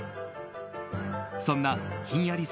そんなひんやり